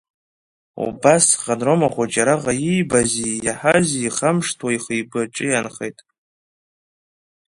Убысҟан Рома хәыҷы араҟа иибази иаҳази ихамышҭуа ихы-игәаҿы иаанхеит.